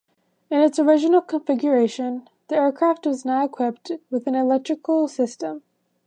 In its original configuration, the aircraft was not equipped with an electrical system.